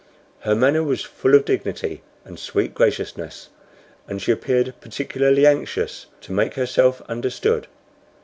Her manner was full of dignity and sweet graciousness, and she appeared particularly anxious to make herself understood.